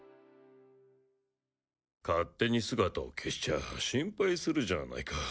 勝手に姿を消しちゃ心配するじゃないか。